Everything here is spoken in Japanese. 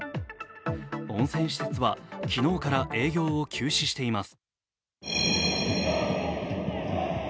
温泉施設は昨日から営業を休止しています。